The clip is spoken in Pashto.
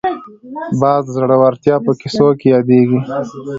باز د زړورتیا په کیسو کې یادېږي